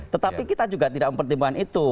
tetapi kita juga tidak mempertimbangkan itu